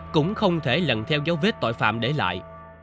cũng không thể lần theo dấu vết tội phạm để lại